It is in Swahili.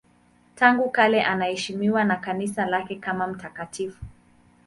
Tangu kale anaheshimiwa na Kanisa lake kama mtakatifu.